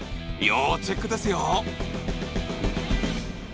要チェックですよ